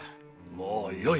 もうよい！